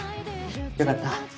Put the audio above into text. よかった。